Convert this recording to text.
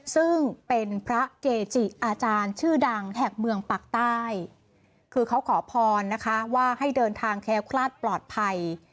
ซึ่งเป็นพระเกจิอาจารย์ชื่อดังแห่งเมืองปากใต้คือเขาขอพรนะคะว่าให้เดินทางแค้วคลาดปลอดภัย